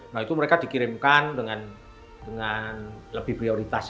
nah itu mereka dikirimkan dengan lebih prioritas